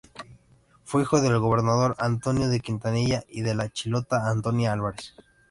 Fue hijo del gobernador Antonio de Quintanilla y de la chilota Antonia Álvarez.